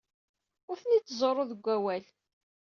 Ur ten-id-ttruẓuɣ deg wawal.